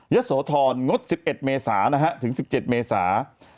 โสธรงด๑๑เมษาถึง๑๗เมษา